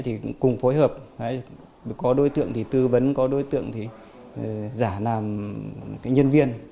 thì cùng phối hợp có đối tượng thì tư vấn có đối tượng thì giả làm nhân viên